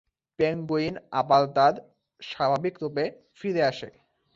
Penguin আবার তার স্বাভাবিক রূপে ফিরে আসে।